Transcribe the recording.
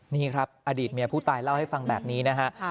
นี่ครับอดีตเมียผู้ตายเล่าให้ฟังแบบนี้นะฮะ